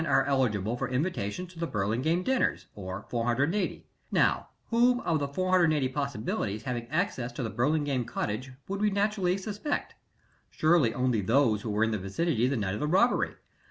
are eligible for invitations to the Burlingame dinners, or 480. Now whom of the 480 possibilities having access to the Burlingame cottage would we naturally suspect? Surely only those who were in the vicinity the night of the robbery.